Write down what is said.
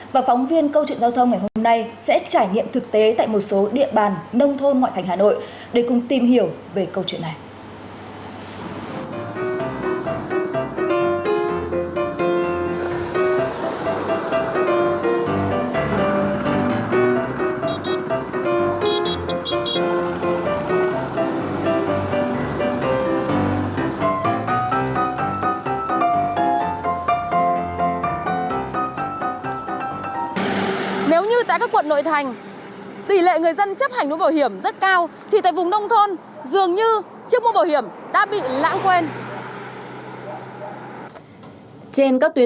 và phóng viên câu chuyện giao thông ngày hôm nay sẽ trải nghiệm thực tế tại một số địa bàn nông thôn ngoại thành hà nội để cùng tìm hiểu về câu chuyện này